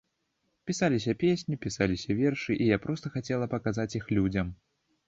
Пісаліся песні, пісаліся вершы, і я проста хацела паказаць іх людзям.